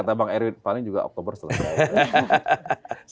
kata bang erwin paling juga oktober selesai